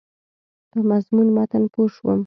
په مضمون متن پوه شوم.